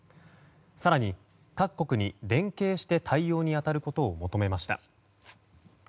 更に、各国に連携して対応に当たることを求めました。